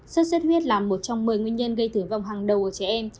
xuất xuất huyết là một trong một mươi nguyên nhân gây tử vong hàng đầu của trẻ em